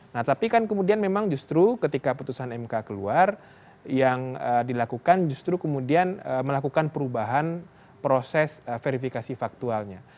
nah tapi kan kemudian memang justru ketika putusan mk keluar yang dilakukan justru kemudian melakukan perubahan proses verifikasi faktualnya